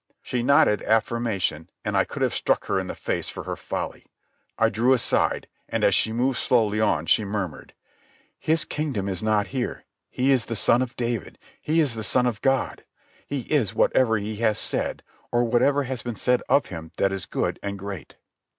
She nodded affirmation, and I could have struck her in the face for her folly. I drew aside, and as she moved slowly on she murmured: "His kingdom is not here. He is the Son of David. He is the Son of God. He is whatever He has said, or whatever has been said of Him that is good and great."